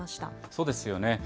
そうですよね。